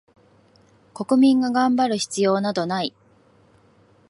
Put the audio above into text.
国民が頑張る必要などない